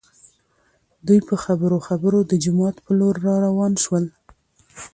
دوي په خبرو خبرو د جومات په لور راوان شول.